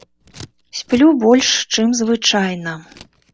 Сплю больш, чым звычайна.